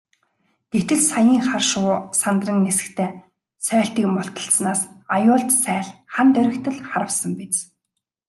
Гэтэл саяын хар шувуу сандран нисэхдээ сойлтыг мулталснаас аюулт сааль хана доргитол харвасан биз.